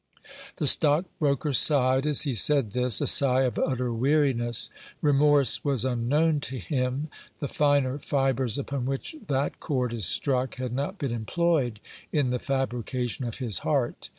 The stockbroker sighed as he said this a sigh of utter weariness. Remorse was unknown to him; the finer fibres upon which that chord is struck had not been employed in the fabrication of his heart.